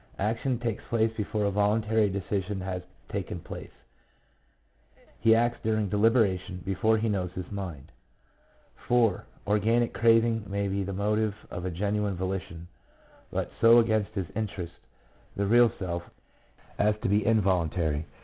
Action takes place before a voluntary decision has taken place; he acts during deliberation, before he knows his mind. 4. Organic craving may be the motive of a genuine volition, but so against his interests — the real self — as to be involuntary.